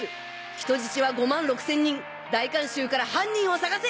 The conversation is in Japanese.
人質は５万６千人大観衆から犯人を捜せ！